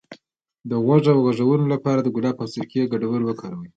د غوږ د غږونو لپاره د ګلاب او سرکې ګډول وکاروئ